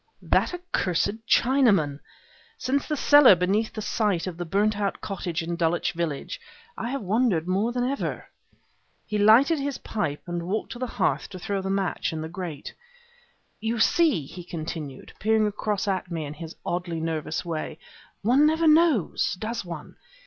"That accursed Chinaman! Since the cellar place beneath the site of the burnt out cottage in Dulwich Village I have wondered more than ever." He lighted his pipe and walked to the hearth to throw the match in the grate. "You see," he continued, peering across at me in his oddly nervous way, "one never knows, does one?